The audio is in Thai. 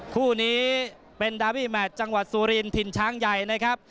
คู่นี้เป็นดาบี้แมทจังหวัดสุรินถิ่นช้างใหญ่นะครับ